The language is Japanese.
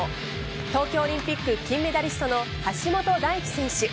東京オリンピック金メダリストの橋本大輝選手。